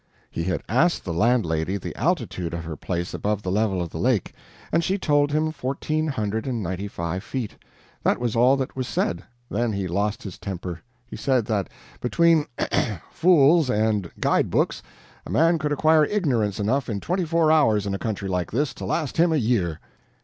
He had asked the landlady the altitude of her place above the level of the lake, and she told him fourteen hundred and ninety five feet. That was all that was said; then he lost his temper. He said that between fools and guide books, a man could acquire ignorance enough in twenty four hours in a country like this to last him a year.